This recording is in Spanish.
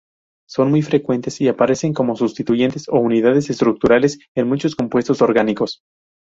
Son muy frecuentes y aparecen como sustituyentes o unidades estructurales en muchos compuestos orgánicos.